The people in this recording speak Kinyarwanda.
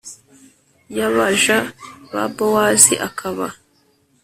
Y abaja ba bowazi akaba